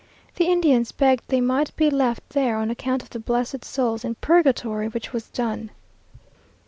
The Indians begged they might be left there "on account of the blessed souls in purgatory," which was done.